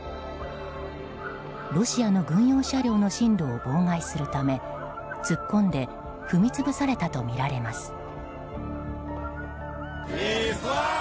ロシアの軍用車両の進路を妨害するため突っ込んで踏み潰されたとみられます。